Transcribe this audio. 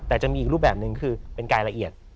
แต่จะมีอีกรูปแบบนึงคือเป็นรายละเอียด